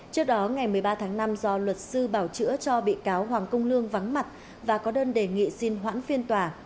trước đó ngày một mươi ba tháng năm do luật sư bảo chữa cho bị cáo hoàng công lương vắng mặt và có đơn đề nghị xin hoãn phiên tòa